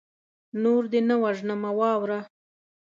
نور دې نه وژنمه واوره